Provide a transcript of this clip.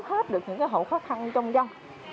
hết được những hỗ khó khăn trong dân